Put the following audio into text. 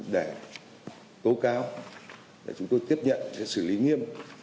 để tố cáo để chúng tôi tiếp nhận xử lý nghiêm